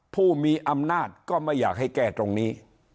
ผู้มีอำนาจก็ไม่อยากให้แก้ตรงนี้